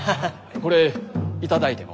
これ頂いても？